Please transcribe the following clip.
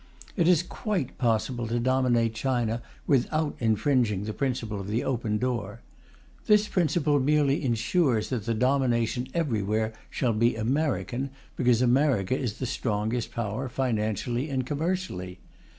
It is quite possible to dominate China without infringing the principle of the Open Door. This principle merely ensures that the domination everywhere shall be American, because America is the strongest Power financially and commercially.